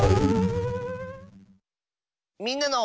「みんなの」。